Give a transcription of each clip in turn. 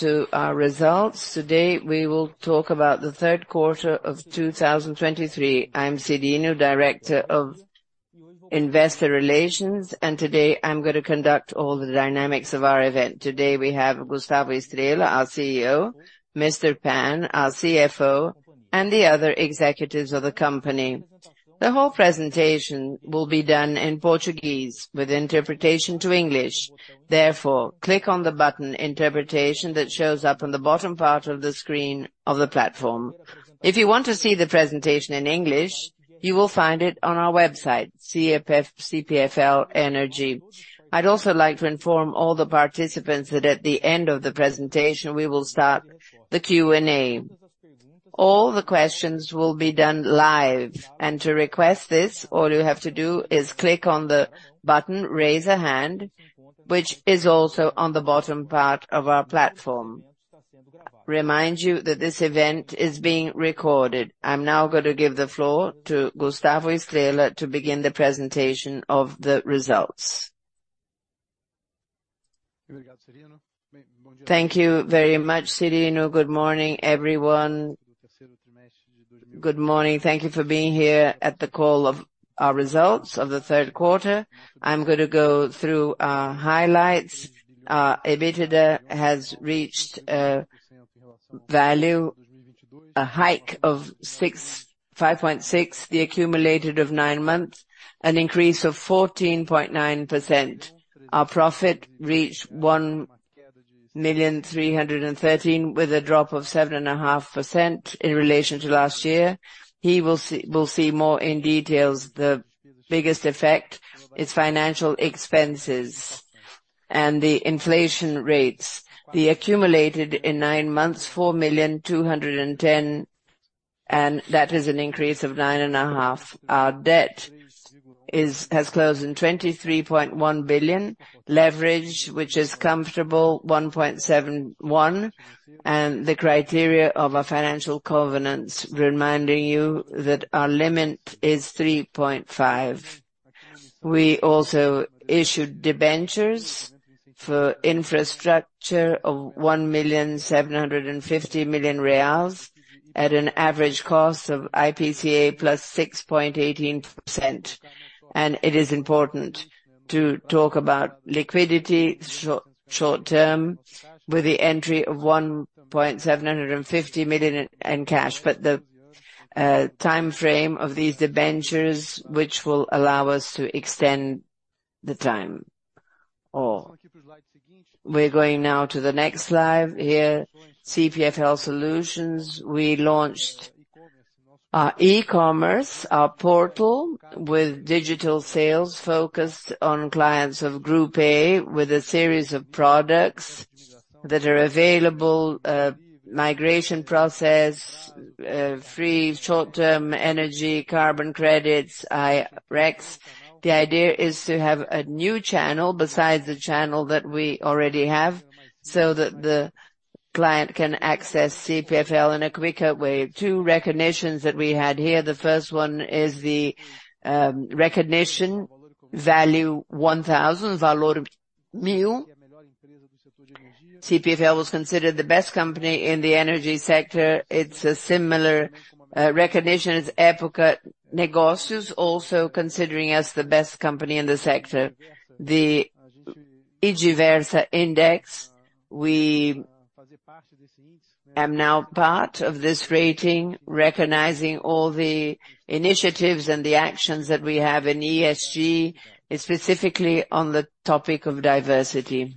Welcome to our results. Today, we will talk about the third quarter of 2023. I'm Carlos Cyrino, Director of Investor Relations, and today, I'm gonna conduct all the dynamics of our event. Today, we have Gustavo Estrella, our CEO, Mr. Pan, our CFO, and the other executives of the company. The whole presentation will be done in Portuguese with interpretation to English. Therefore, click on the button interpretation that shows up on the bottom part of the screen of the platform. If you want to see the presentation in English, you will find it on our website, CPFL Energia. I'd also like to inform all the participants that at the end of the presentation, we will start the Q&A. All the questions will be done live, and to request this, all you have to do is click on the button, Raise a Hand, which is also on the bottom part of our platform. Remind you that this event is being recorded. I'm now going to give the floor to Gustavo Estrella to begin the presentation of the results. Thank you very much, Cyrino. Good morning, everyone. Good morning. Thank you for being here at the call of our results of the third quarter. I'm gonna go through our highlights. Our EBITDA has reached a value, a hike of 5.6, the accumulated of nine months, an increase of 14.9%. Our profit reached 1,313 million, with a drop of 7.5% in relation to last year. We'll see more in details. The biggest effect is financial expenses and the inflation rates. The accumulated in nine months, 4.21 million, and that is an increase of 9.5%. Our debt is, has closed in 23.1 billion. Leverage, which is comfortable, 1.71, and the criteria of our financial covenants, reminding you that our limit is 3.5. We also issued debentures for infrastructure of 1.75 billion reais at an average cost of IPCA + 6.18%. And it is important to talk about liquidity, short-term, with the entry of 1.75 billion in cash. But the time frame of these debentures, which will allow us to extend the time. Or we're going now to the next slide. Here, CPFL Solutions. We launched our e-commerce, our portal, with digital sales focused on clients of Group A, with a series of products that are available, migration process, free short-term energy, carbon credits, I-RECs. The idea is to have a new channel besides the channel that we already have, so that the client can access CPFL in a quicker way. Two recognitions that we had here. The first one is the recognition, Valor 1000. CPFL was considered the best company in the energy sector. It's a similar recognition as Época Negócios, also considering us the best company in the sector. The IDIVERSA, we are now part of this rating, recognizing all the initiatives and the actions that we have in ESG, specifically on the topic of diversity.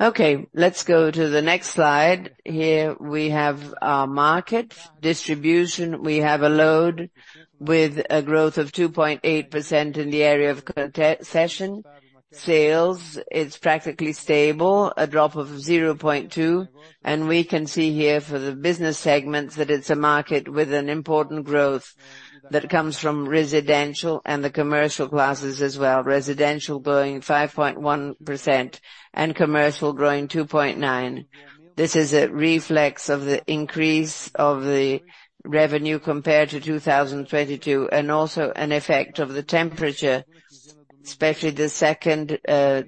Okay, let's go to the next slide. Here we have our market distribution. We have a load with a growth of 2.8% in the area of concession. Sales, it's practically stable, a drop of 0.2%, and we can see here for the business segments that it's a market with an important growth that comes from residential and the commercial classes as well. Residential growing 5.1% and commercial growing 2.9%. This is a reflex of the increase of the revenue compared to 2022, and also an effect of the temperature, especially the second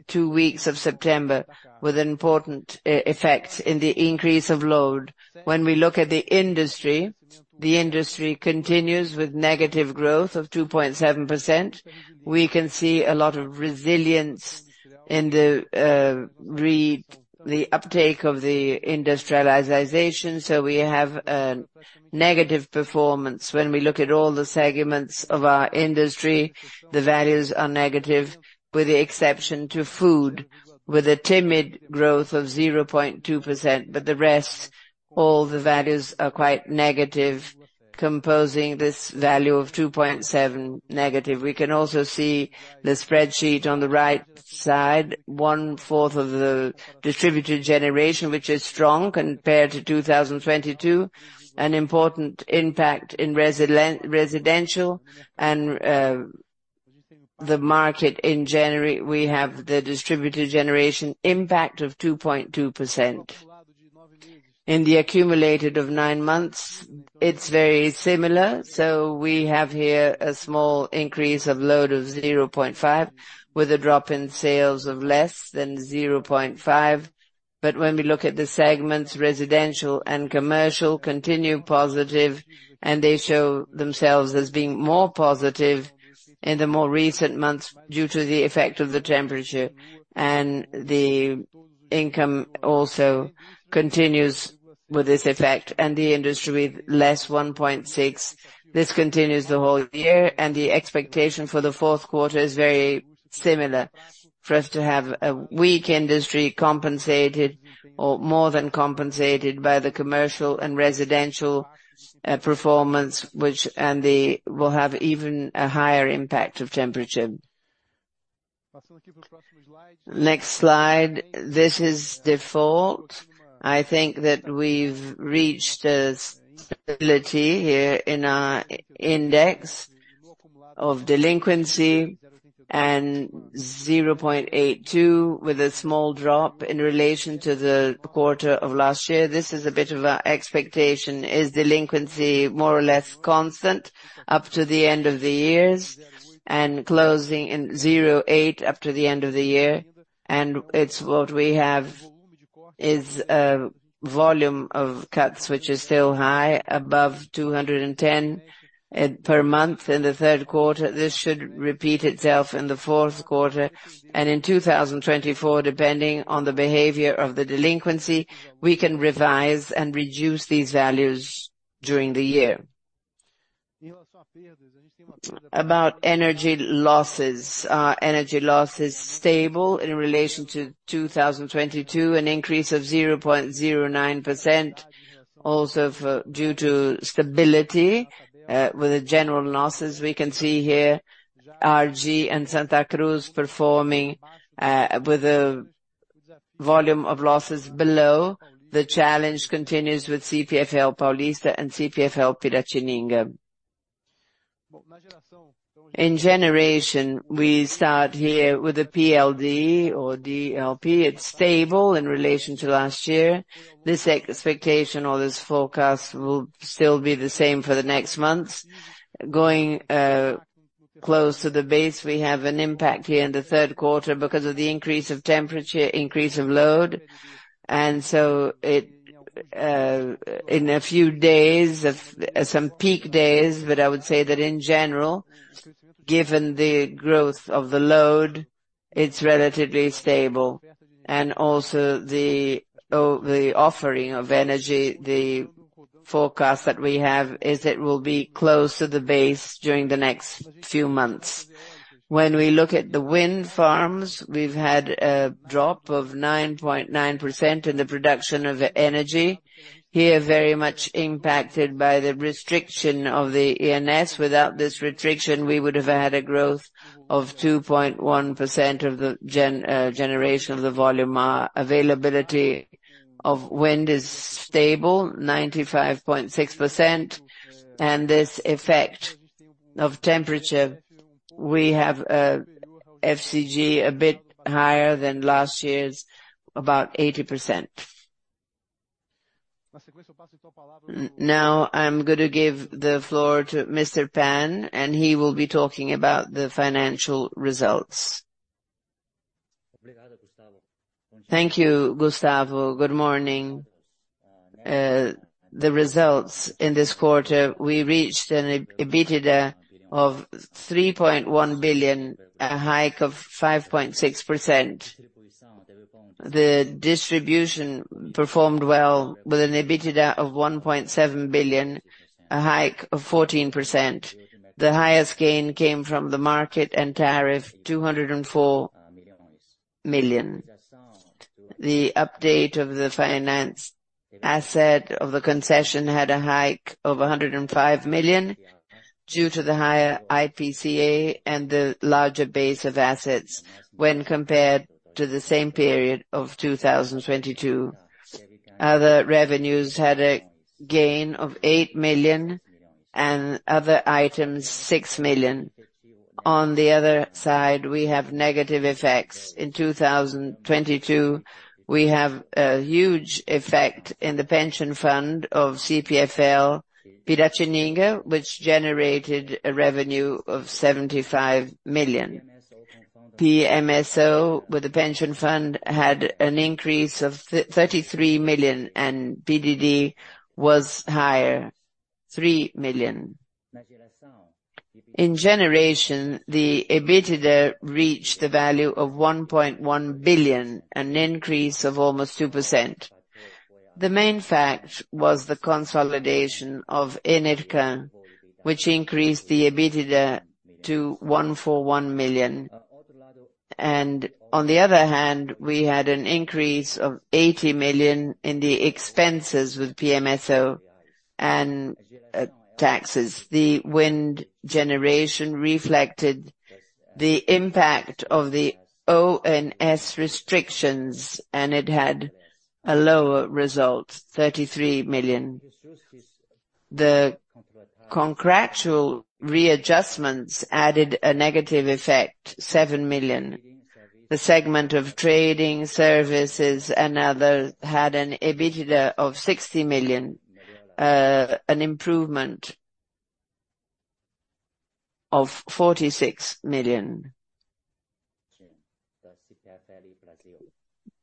two weeks of September, with important effects in the increase of load. When we look at the industry, the industry continues with negative growth of 2.7%. We can see a lot of resilience in the uptake of the industrialization, so we have a negative performance. When we look at all the segments of our industry, the values are negative, with the exception to food, with a timid growth of 0.2%, but the rest, all the values are quite negative, composing this value of -2.7%. We can also see the spreadsheet on the right side, one-fourth of the Distributed Generation, which is strong compared to 2022. An important impact in residential and the market in January, we have the Distributed Generation impact of 2.2%.... In the accumulated of nine months, it's very similar, so we have here a small increase of load of 0.5, with a drop in sales of less than 0.5. But when we look at the segments, residential and commercial continue positive, and they show themselves as being more positive in the more recent months due to the effect of the temperature. And the income also continues with this effect, and the industry with less 1.6. This continues the whole year, and the expectation for the fourth quarter is very similar. For us to have a weak industry compensated or more than compensated by the commercial and residential performance, which and they will have even a higher impact of temperature. Next slide, this is default. I think that we've reached a stability here in our iindex of delinquency, and 0.82, with a small drop in relation to the quarter of last year. This is a bit of our expectation, is delinquency more or less constant up to the end of the year and closing in 0.8 after the end of the year? It's what we have, volume of cuts, which is still high, above 210 per month in the third quarter. This should repeat itself in the fourth quarter. In 2024, depending on the behavior of the delinquency, we can revise and reduce these values during the year. About energy losses, energy losses stable in relation to 2022, an increase of 0.09%, also due to stability with the general losses. We can see here, RGE and Santa Cruz performing with the volume of losses below. The challenge continues with CPFL Paulista and CPFL Piratininga. In generation, we start here with a PLD or PLD. It's stable in relation to last year. This expectation or this forecast will still be the same for the next months. Going close to the base, we have an impact here in the third quarter because of the increase of temperature, increase of load. And so it in a few days, of some peak days, but I would say that in general, given the growth of the load, it's relatively stable. And also the offering of energy, the forecast that we have, is it will be close to the base during the next few months. When we look at the wind farms, we've had a drop of 9.9% in the production of energy. Here, very much impacted by the restriction of the ONS. Without this restriction, we would have had a growth of 2.1% of the gen, generation of the volume. Availability of wind is stable, 95.6%. And this effect of temperature, we have, GSF a bit higher than last year's, about 80%. Now, I'm going to give the floor to Mr. Pan, and he will be talking about the financial results. Thank you, Gustavo. Good morning. The results in this quarter, we reached an EBITDA of 3.1 billion, a hike of 5.6%. The distribution performed well with an EBITDA of 1.7 billion, a hike of 14%. The highest gain came from the market and tariff, 204 million. The update of the finance asset of the concession had a hike of 105 million, due to the higher IPCA and the larger base of assets when compared to the same period of 2022. Other revenues had a gain of 8 million, and other items, 6 million. On the other side, we have negative effects. In 2022, we have a huge effect in the pension fund of CPFL Piratininga, which generated a revenue of 75 million. PMSO, with the pension fund, had an increase of thirty-three million, and PDD was higher, 3 million. In generation, the EBITDA reached the value of 1.1 billion, an increase of almost 2%. The main fact was the consolidation of ENERCAN, which increased the EBITDA to 141 million. On the other hand, we had an increase of 80 million in the expenses with PMSO and taxes. The wind generation reflected the impact of the ONS restrictions, and it had a lower result, 33 million. The contractual readjustments added a negative effect, 7 million. The segment of trading services and other had an EBITDA of 60 million, an improvement of 46 million.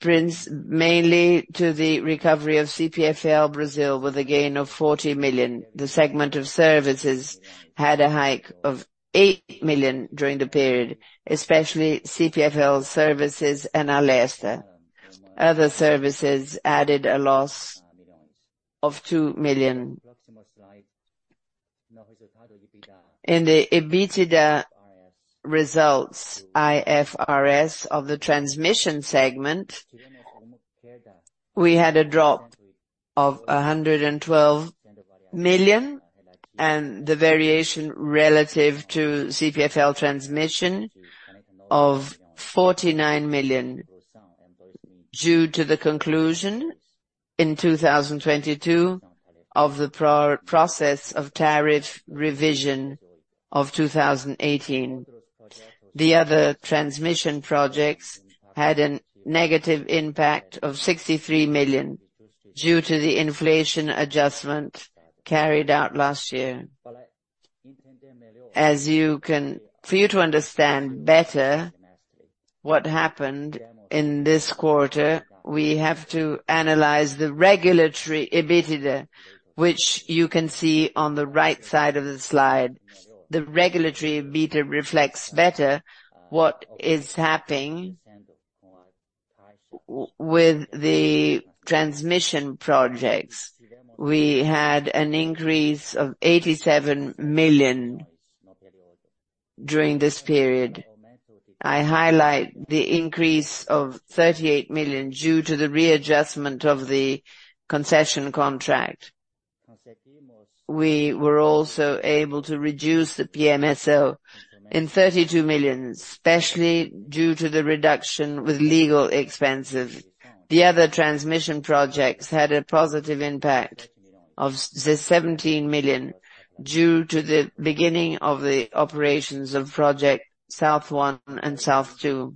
Brings mainly to the recovery of CPFL Brasil, with a gain of 40 million. The segment of services had a hike of 8 million during the period, especially CPFL Services and Alesta. Other services added a loss of 2 million. In the EBITDA results, IFRS of the transmission segment, we had a drop of 112 million, and the variation relative to CPFL Transmission of 49 million, due to the conclusion in 2022 of the process of tariff revision of 2018. The other transmission projects had a negative impact of 63 million, due to the inflation adjustment carried out last year. As you can—for you to understand better what happened in this quarter, we have to analyze the regulatory EBITDA, which you can see on the right side of the slide. The regulatory EBITDA reflects better what is happening with the transmission projects. We had an increase of 87 million during this period. I highlight the increase of 38 million due to the readjustment of the concession contract. We were also able to reduce the PMSO in 32 million, especially due to the reduction with legal expenses. The other transmission projects had a positive impact of seventeen million, due to the beginning of the operations of Project South One and South Two.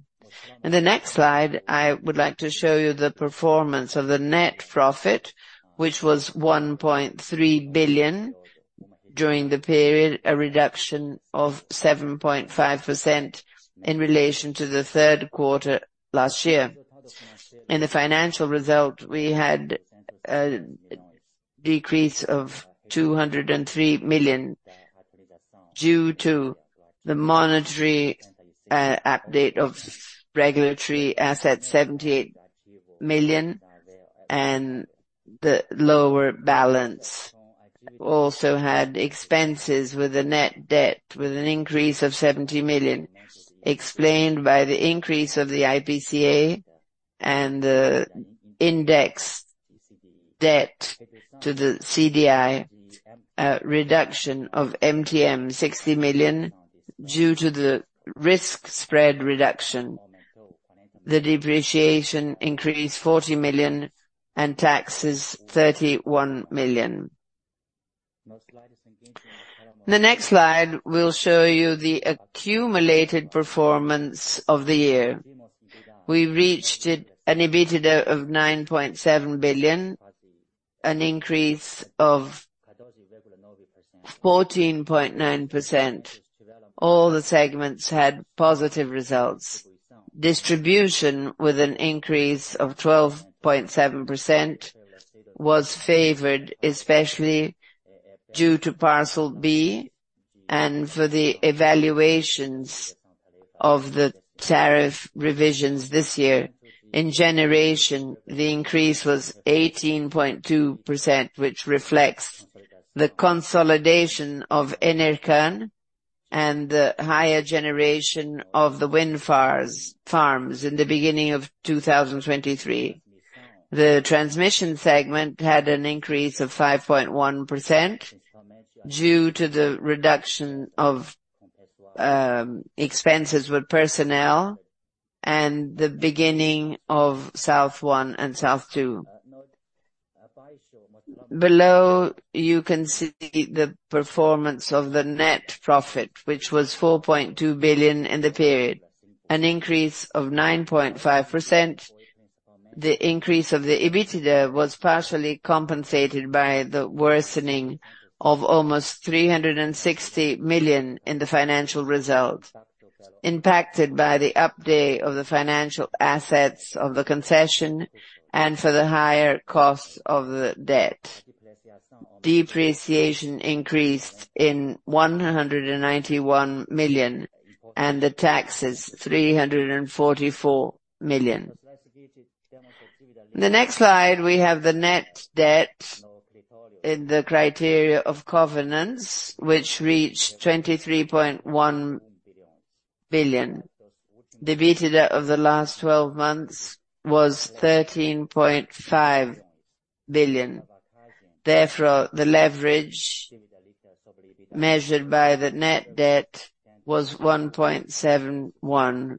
In the next slide, I would like to show you the performance of the net profit, which was 1.3 billion during the period, a reduction of 7.5% in relation to the third quarter last year. In the financial result, we had a decrease of 203 million due to the monetary update of regulatory assets, 78 million, and the lower balance. Also had expenses with a net debt, with an increase of 70 million, explained by the increase of the IPCA and the index debt to the CDI, reduction of MTM, 60 million, due to the risk spread reduction. The depreciation increased 40 million and taxes, 31 million. The next slide will show you the accumulated performance of the year. We reached it, an EBITDA of 9.7 billion, an increase of 14.9%. All the segments had positive results. Distribution, with an increase of 12.7%, was favored, especially due to Parcel B and for the evaluations of the tariff revisions this year. In generation, the increase was 18.2%, which reflects the consolidation of ENERCAN and the higher generation of the wind farms in the beginning of 2023. The transmission segment had an increase of 5.1% due to the reduction of expenses with personnel and the beginning of South One and South Two. Below, you can see the performance of the net profit, which was 4.2 billion in the period, an increase of 9.5%. The increase of the EBITDA was partially compensated by the worsening of almost 360 million in the financial results, impacted by the update of the financial assets of the concession and for the higher cost of the debt. Depreciation increased in 191 million, and the tax is 344 million. The next slide, we have the net debt in the criteria of covenants, which reached 23.1 billion. The EBITDA of the last twelve months was 13.5 billion. Therefore, the leverage measured by the net debt was 1.71.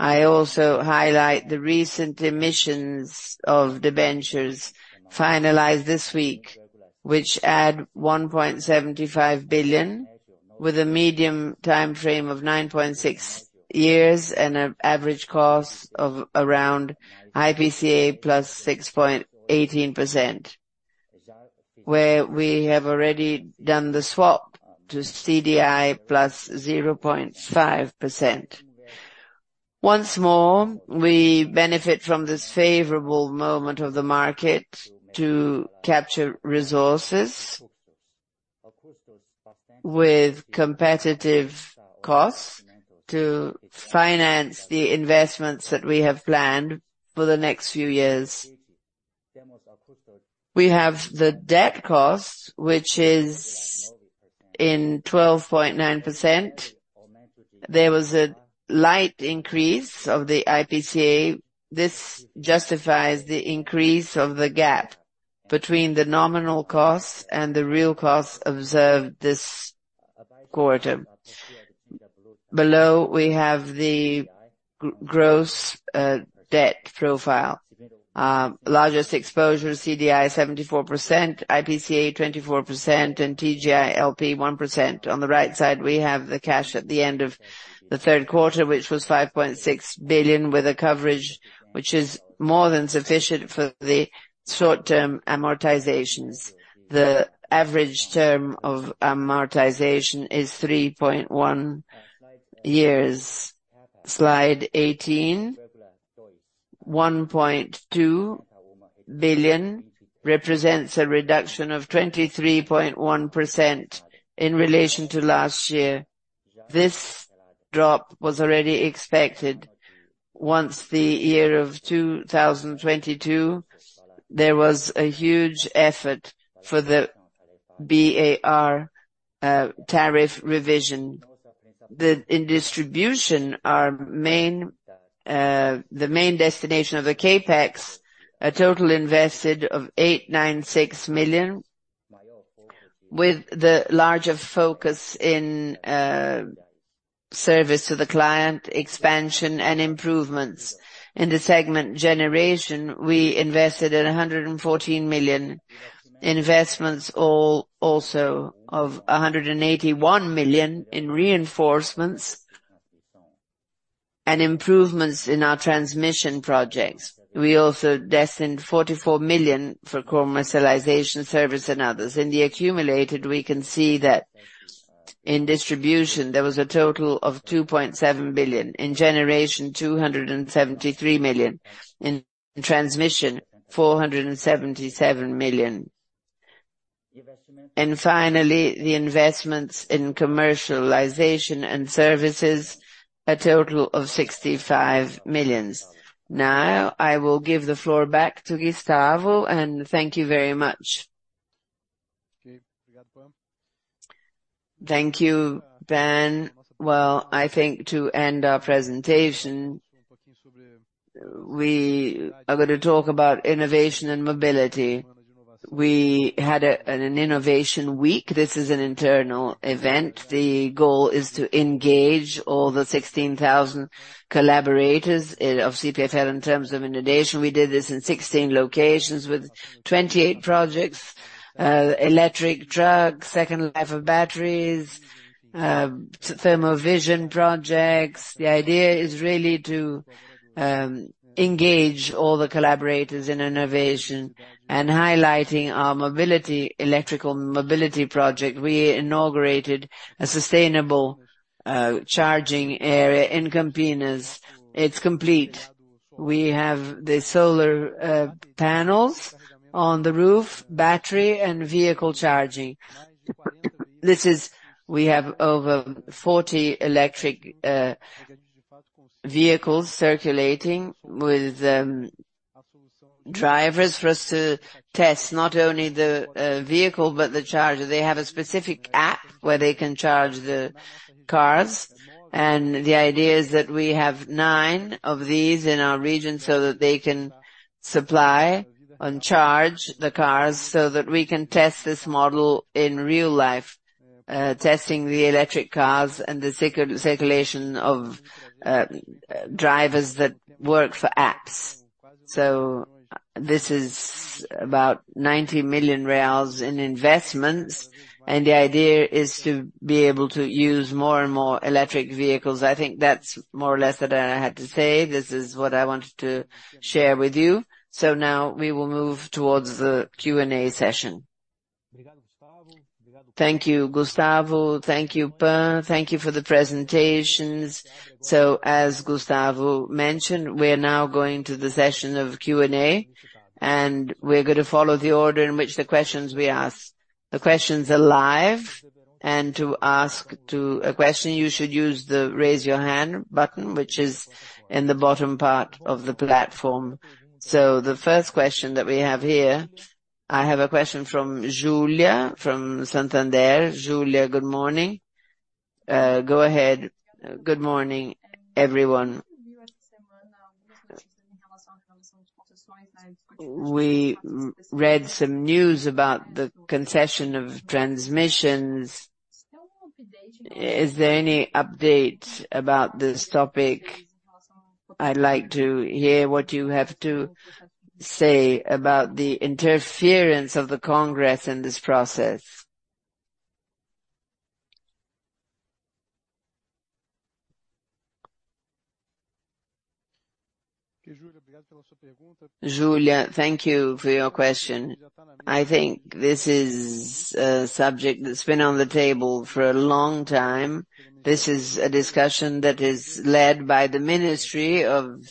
I also highlight the recent emissions of debentures finalized this week, which add 1.75 billion, with a medium time frame of 9.6 years and an average cost of around IPCA + 6.18%, where we have already done the swap to CDI + 0.5%. Once more, we benefit from this favorable moment of the market to capture resources with competitive costs to finance the investments that we have planned for the next few years. We have the debt cost, which is in 12.9%. There was a light increase of the IPCA. This justifies the increase of the gap between the nominal costs and the real costs observed this quarter. Below, we have the gross debt profile. Largest exposure, CDI, 74%, IPCA, 24%, and TJLP, 1%. On the right side, we have the cash at the end of the third quarter, which was 5.6 billion, with a coverage which is more than sufficient for the short-term amortizations. The average term of amortization is 3.1 years. Slide 18, 1.2 billion represents a reduction of 23.1% in relation to last year. This drop was already expected. Once the year of 2022, there was a huge effort for the RAB, tariff revision. In distribution, our main, the main destination of the CapEx, a total invested of 896 million, with the larger focus in, service to the client, expansion and improvements. In the segment generation, we invested at 114 million. Investments all also of 181 million in reinforcements and improvements in our transmission projects. We also destined 44 million for commercialization, service, and others. In the accumulated, we can see that in distribution, there was a total of 2.7 billion, in generation, 273 million, in transmission, 477 million. And finally, the investments in commercialization and services, a total of 65 million. Now, I will give the floor back to Gustavo, and thank you very much. Thank you, Pan. Well, I think to end our presentation, we are gonna talk about innovation and mobility. We had an innovation week. This is an internal event. The goal is to engage all the 16,000 collaborators of CPFL in terms of innovation. We did this in 16 locations with 28 projects, electric trucks, second life of batteries, thermal vision projects. The idea is really to engage all the collaborators in innovation and highlighting our mobility, electrical mobility project. We inaugurated a sustainable charging area in Campinas. It's complete. We have the solar panels on the roof, battery, and vehicle charging. This is. We have over 40 electric vehicles circulating with drivers for us to test not only the vehicle, but the charger. They have a specific app where they can charge the cars, and the idea is that we have nine of these in our region so that they can supply and charge the cars, so that we can test this model in real life, testing the electric cars and the circulation of drivers that work for apps. So this is about 90 million reais in investments, and the idea is to be able to use more and more electric vehicles. I think that's more or less that I had to say. This is what I wanted to share with you. So now we will move towards the Q&A session. Thank you, Gustavo. Thank you, Pan. Thank you for the presentations. So as Gustavo mentioned, we are now going to the session of Q&A, and we're going to follow the order in which the questions were asked. The questions are live, and to ask a question, you should use the Raise Your Hand button, which is in the bottom part of the platform. So the first question that we have here, I have a question from Julia, from Santander. Julia, good morning. Go ahead. Good morning, everyone. We read some news about the concession of transmissions. Is there any update about this topic? I'd like to hear what you have to say about the interference of the Congress in this process. Julia, thank you for your question. I think this is a subject that's been on the table for a long time. This is a discussion that is led by the Ministry of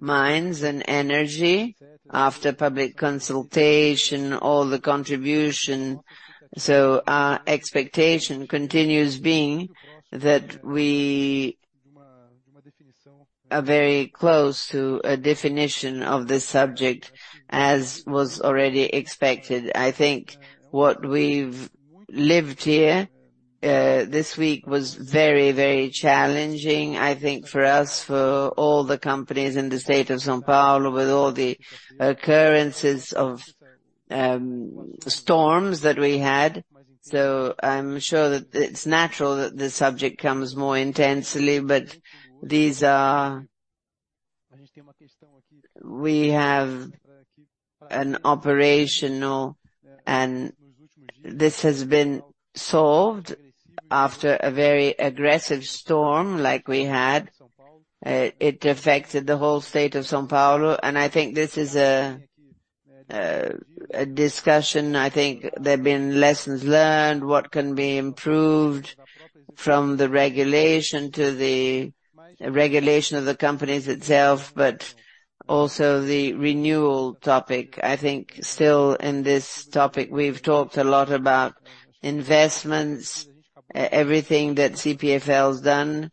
Mines and Energy, after public consultation, all the contribution. So our expectation continues being that we are very close to a definition of this subject, as was already expected. I think what we've lived here, this week was very, very challenging, I think, for us, for all the companies in the state of São Paulo, with all the occurrences of, storms that we had. So I'm sure that it's natural that the subject comes more intensely, but these are. We have an operational, and this has been solved after a very aggressive storm like we had. It affected the whole state of São Paulo, and I think this is a discussion. I think there have been lessons learned, what can be improved from the regulation to the regulation of the companies itself, but also the renewal topic. I think still in this topic, we've talked a lot about investments, everything that CPFL has done.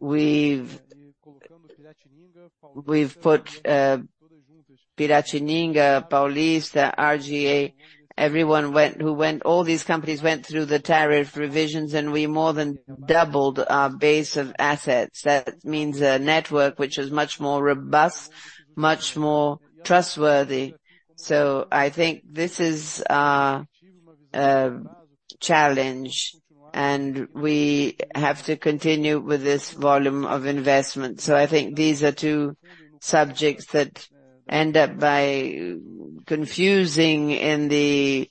We've put Piratininga, Paulista, RGE, everyone went. All these companies went through the tariff revisions, and we more than doubled our base of assets. That means a network which is much more robust, much more trustworthy. So I think this is our challenge, and we have to continue with this volume of investment. So I think these are two subjects that end up by confusing in the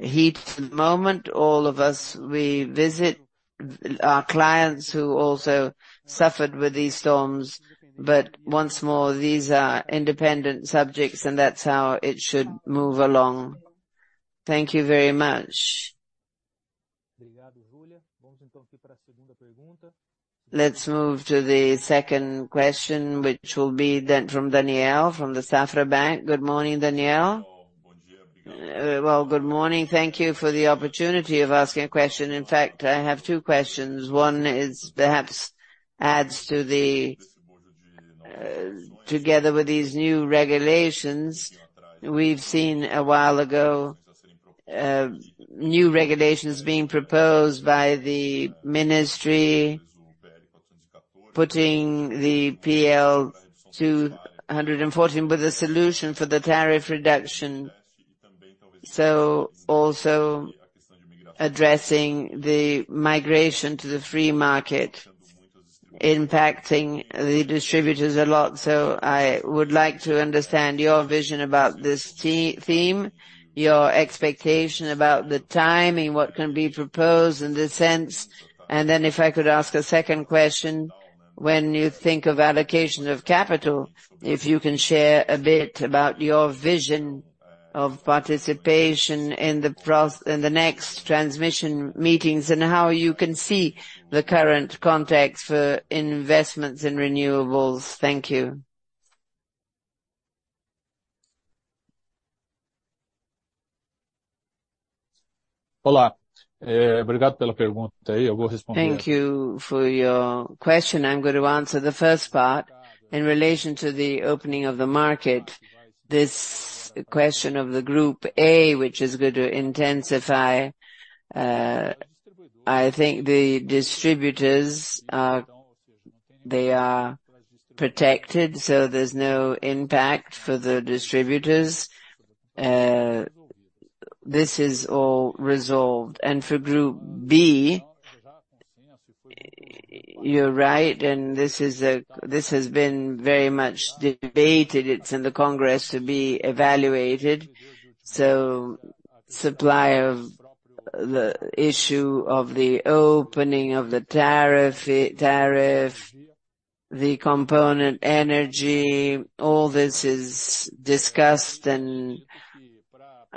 heat of the moment. All of us, we visit our clients who also suffered with these storms, but once more, these are independent subjects, and that's how it should move along. Thank you very much. Let's move to the second question, which will be then from Daniel, from the Safra Bank. Good morning, Daniel. Well, good morning. Thank you for the opportunity of asking a question. In fact, I have two questions. One is perhaps adds to the together with these new regulations, we've seen a while ago new regulations being proposed by the Ministry, putting the PL 414 with a solution for the tariff reduction. So also addressing the migration to the Free Market, impacting the distributors a lot. So I would like to understand your vision about this theme, your expectation about the timing, what can be proposed in this sense. And then if I could ask a second question, when you think of allocation of capital, if you can share a bit about your vision of participation in the next transmission meetings, and how you can see the current context for investments in renewables. Thank you. Thank you for your question. I'm going to answer the first part. In relation to the opening of the market, this question of the Group A, which is going to intensify. I think the distributors are protected, so there's no impact for the distributors. This is all resolved. For Group B, you're right, and this is a- this has been very much debated. It's in the Congress to be evaluated. So supply of the issue of the opening of the tariff, tariff, the component energy, all this is discussed, and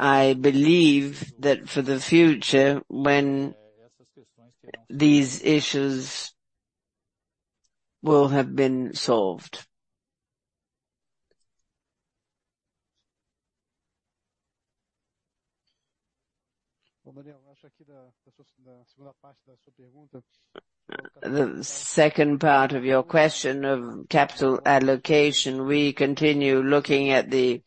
I believe that for the future, when these issues will have been solved. The second part of your question of capital allocation, we continue looking at the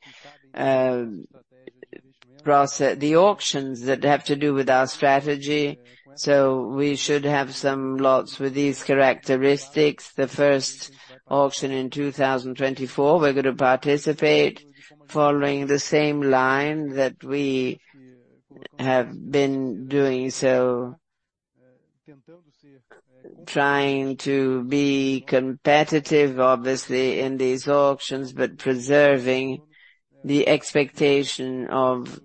process the auctions that have to do with our strategy, so we should have some lots with these characteristics. The first auction in 2024, we're gonna participate, following the same line that we have been doing, so trying to be competitive, obviously, in these auctions, but preserving the expectation of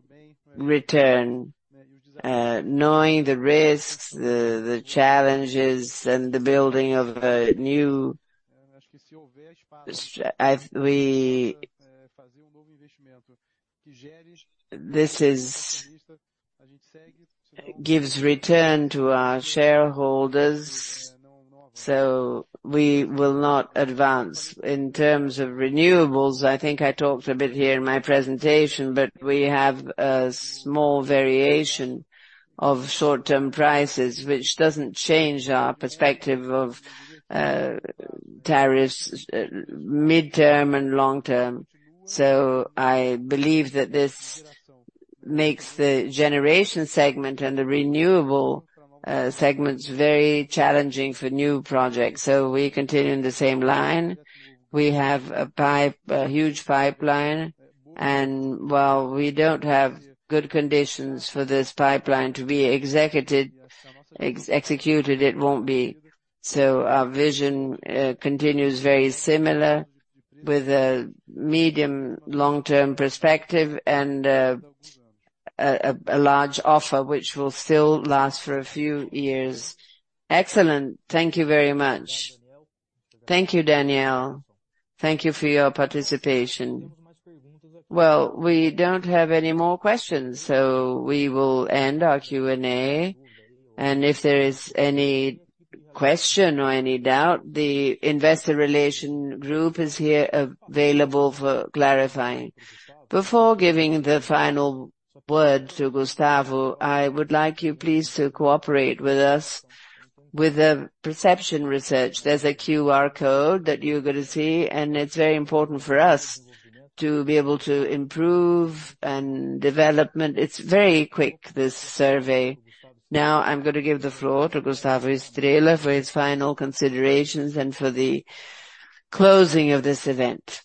return, knowing the risks, the challenges, and the building of a new. This gives return to our shareholders, so we will not advance. In terms of renewables, I think I talked a bit here in my presentation, but we have a small variation of short-term prices, which doesn't change our perspective of tariffs, mid-term and long-term. So I believe that this makes the generation segment and the renewable segments very challenging for new projects. So we continue in the same line. We have a pipe, a huge pipeline, and while we don't have good conditions for this pipeline to be executed, it won't be. So our vision continues very similar with a medium, long-term perspective and a large offer, which will still last for a few years. Excellent. Thank you very much. Thank you, Daniel. Thank you for your participation. Well, we don't have any more questions, so we will end our Q&A, and if there is any question or any doubt, the Investor Relations group is here, available for clarifying. Before giving the final word to Gustavo, I would like you please to cooperate with us with a perception research. There's a QR code that you're gonna see, and it's very important for us to be able to improve and development. It's very quick, this survey. Now, I'm gonna give the floor to Gustavo Estrella for his final considerations and for the closing of this event.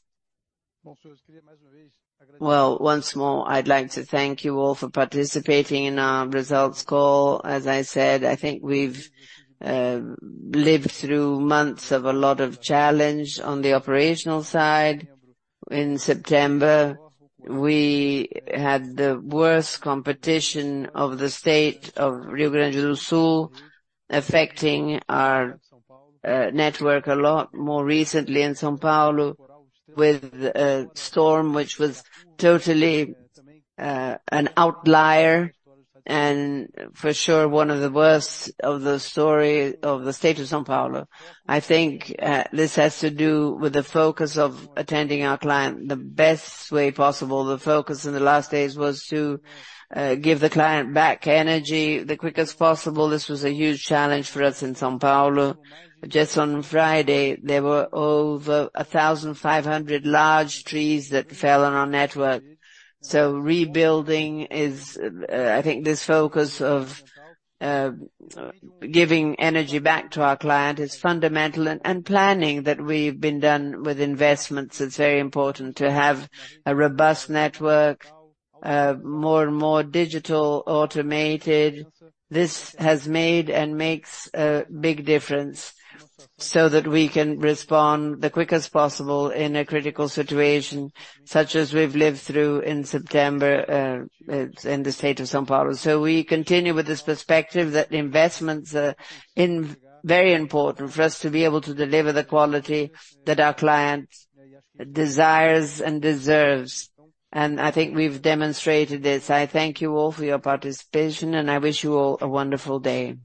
Well, once more, I'd like to thank you all for participating in our results call. As I said, I think we've lived through months of a lot of challenge on the operational side. In September, we had the worst competition of the state of Rio Grande do Sul, affecting our network a lot more recently in São Paulo, with a storm which was totally an outlier, and for sure, one of the worst in the history of the state of São Paulo. I think this has to do with the focus of attending our client the best way possible. The focus in the last days was to give the client back energy the quickest possible. This was a huge challenge for us in São Paulo. Just on Friday, there were over 1,500 large trees that fell on our network. So rebuilding is, I think this focus of giving energy back to our client is fundamental, and planning that we've been done with investments, it's very important to have a robust network, more and more digital, automated. This has made and makes a big difference, so that we can respond the quickest possible in a critical situation, such as we've lived through in September, in the state of São Paulo. So we continue with this perspective that investments are in very important for us to be able to deliver the quality that our client desires and deserves, and I think we've demonstrated this. I thank you all for your participation, and I wish you all a wonderful day.